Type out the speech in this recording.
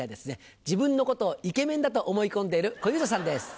自分のことをイケメンだと思い込んでいる小遊三さんです。